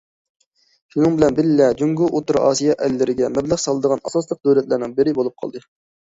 شۇنىڭ بىلەن بىللە، جۇڭگو ئوتتۇرا ئاسىيا ئەللىرىگە مەبلەغ سالىدىغان ئاساسلىق دۆلەتلەرنىڭ بىرى بولۇپ قالدى.